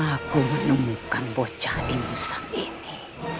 aku menemukan bocah imusang ini